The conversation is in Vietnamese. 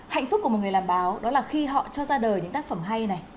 hạnh phúc của một người làm báo đó là khi họ cho ra đời những tác phẩm hay này